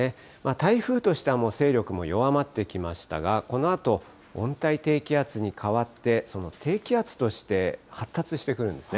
台風としては、もう勢力も弱まってきましたが、このあと温帯低気圧に変わって、その低気圧として発達してくるんですね。